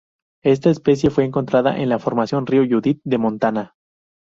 Esta especie fue encontrada en la Formación Río Judith de Montana.